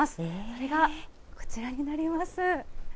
それがこちらになります。